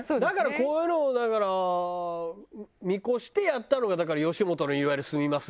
こういうのをだから見越してやったのが吉本のいわゆる住みます